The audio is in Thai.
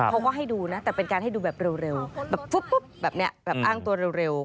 เขาก็ให้ดูนะแต่เป็นการให้ดูแบบเร็วแบบปุ๊บแบบนี้แบบอ้างตัวเร็ว